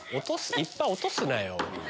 いっぱい落とすなよ。